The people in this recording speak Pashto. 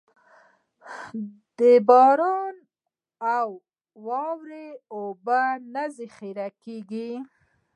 د باران او واورې اوبه نه ذخېره کېږي.